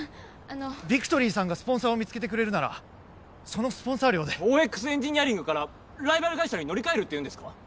あのビクトリーさんがスポンサーを見つけてくれるならそのスポンサー料でＯＸエンジニアリングからライバル会社に乗り換えるっていうんですか？